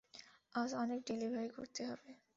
আজ অনেক ডেলিভারি করতে হবে।